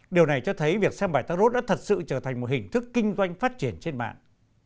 điều này cho thấy việc xem bài tarot đã thật sự trở thành một hình thức kinh doanh phát triển trên mạng